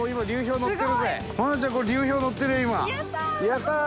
やったー！